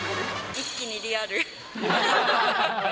一気にリアル。